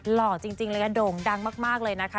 หล่อจริงเลยค่ะโด่งดังมากเลยนะคะ